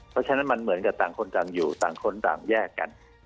เพราะฉะนั้นมันเหมือนกับต่างคนต่างอยู่ต่างคนต่างแยกกัน